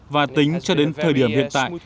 và tính cho đến thời điểm hiện tại